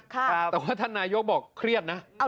แต่ว่าท่านนายกบอกเครียดนะ